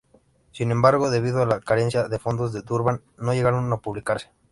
Sin embargo, debido a la carencia de fondos en Durban, no llegaron a publicarse.